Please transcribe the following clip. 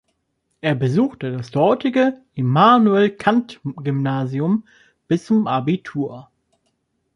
Er besuchte das dortige Immanuel-Kant-Gymnasium bis zum Abitur.